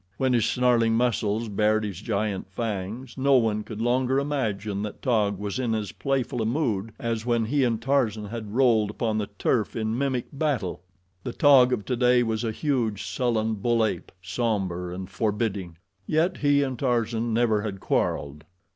When his snarling muscles bared his giant fangs no one could longer imagine that Taug was in as playful a mood as when he and Tarzan had rolled upon the turf in mimic battle. The Taug of today was a huge, sullen bull ape, somber and forbidding. Yet he and Tarzan never had quarreled.